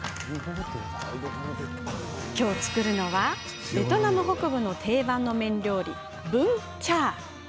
作るのはベトナム北部の定番の麺料理、ブン・チャー。